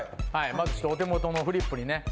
まずお手元のフリップにね。